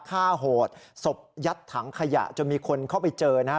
ฆ่าโหดศพยัดถังขยะจนมีคนเข้าไปเจอนะฮะ